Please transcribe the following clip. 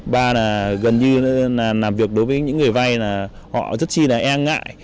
ba là gần như làm việc đối với những người vay họ rất chi là e ngại